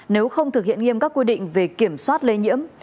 nếu không thực hiện nghiêm các quy định về kiểm soát lây nhiễm